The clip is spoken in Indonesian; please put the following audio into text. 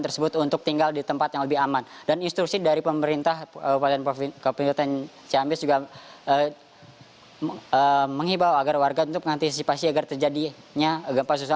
pemerintah kabupaten ciamis juga menghibur agar warga untuk mengantisipasi agar terjadinya gempa susulan